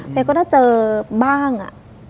เจ๋ก็ละเจอบ้างอ่ะ